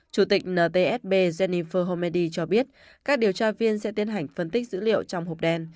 chủ tịch ntsb jennifer homedy cho biết các điều tra viên sẽ tiến hành phân tích dữ liệu trong hộp đen